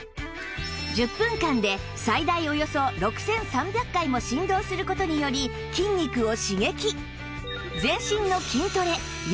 １０分間で最大およそ６３００回も振動する事により筋肉を刺激